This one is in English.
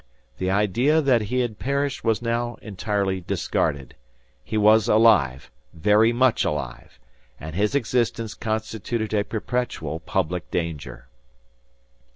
The idea that he had perished was now entirely discarded. He was alive, very much alive; and his existence constituted a perpetual public danger!